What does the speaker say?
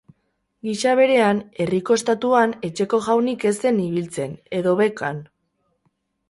Gisa berean, herriko ostatuan etxeko jaunik ez zen ibiltzen, edo bekan!